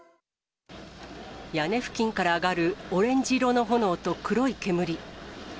屋根付近から上がるオレンジ色の炎と黒い煙。